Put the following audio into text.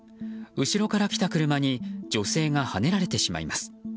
後ろから来た車に女性がはねられてしまいます。